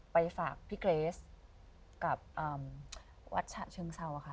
ไปฝากพี่เกรสกับวัดฉะเชิงเซาค่ะ